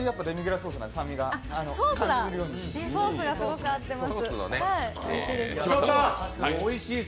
ソースがすごく合ってます。